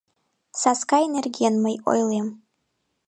Саскай нерген мый ойлем...